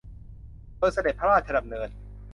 โดยเสด็จพระราชดำเนิน